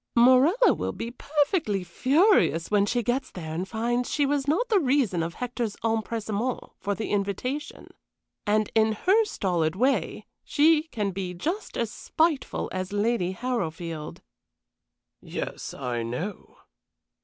"Morella will be perfectly furious when she gets there and finds she was not the reason of Hector's empressement for the invitation. And in her stolid way she can be just as spiteful as Lady Harrowfield." "Yes, I know."